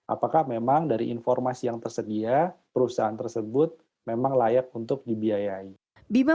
apakah memang dari informasi yang tersedia perusahaan tersebut memang layak untuk dibiayai